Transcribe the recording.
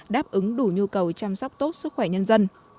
đáp ứng đủ nhu cầu chăm sóc tốt sức khỏe nhân dân